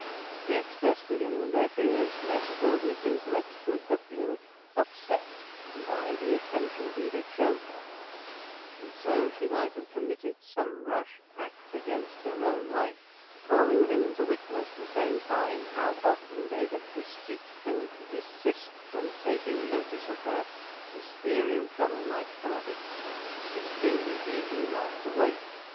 They expressed to him their fears lest her weak intellects should have been upset by the attention he had showed her, and so she might have committed some rash act against her own life, calling him to witness the same time how often they had beseeched him to desist from taking notice of her, as fearing trouble might come of it: but this, too, he easily laughed away.